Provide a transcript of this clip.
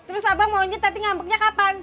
terus abang mau unci tati ngambeknya kapan